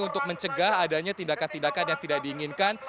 untuk mencegah adanya tindakan tindakan yang tidak diinginkan